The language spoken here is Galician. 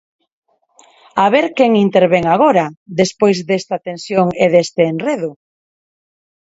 ¡A ver quen intervén agora, despois desta tensión e deste enredo!